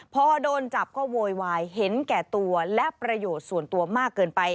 พอโดนจับก็โวยวายเห็นแก่ตัวและประโยชน์ส่วนตัวมากเกินไป